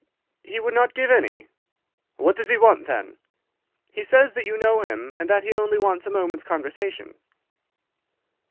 "'He would not give any.' "'What does he want, then?' "'He says that you know him, and that he only wants a moment's conversation.